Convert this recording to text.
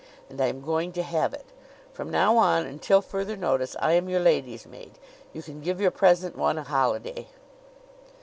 And I'm going to have it! From now on, until further notice, I am your lady's maid. You can give your present one a holiday."